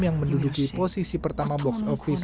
yang menduduki posisi pertama box office